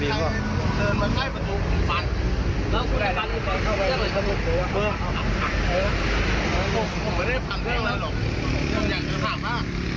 อยากจะถามฮะ